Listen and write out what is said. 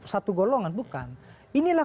satu golongan bukan inilah